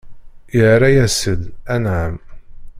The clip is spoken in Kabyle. Irra-yas-d: Anɛam!